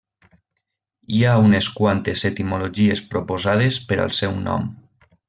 Hi ha unes quantes etimologies proposades per al seu nom.